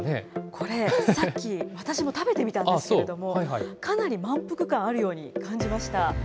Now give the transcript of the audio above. これ、さっき私も食べてみたんですけれども、かなり満腹感あるように感じました。